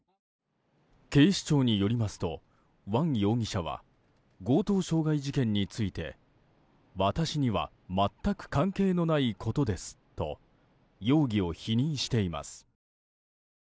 警視庁によりますとワン容疑者は強盗傷害事件について私には全く関係のないことですと容疑を否認しています。